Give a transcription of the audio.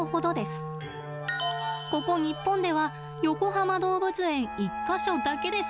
ここ日本ではよこはま動物園１か所だけです。